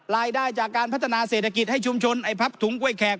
รายได้จากการพัฒนาเศรษฐกิจให้ชุมชนไอ้พับถุงกล้วยแขก